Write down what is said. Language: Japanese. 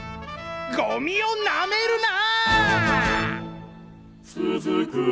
ゴミをなめるな！